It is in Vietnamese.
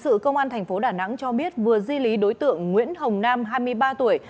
cơ quan cảnh sát hình sự công an thành phố đà nẵng cho biết vừa di lý đối tượng nguyễn hồng nam hai mươi ba tuổi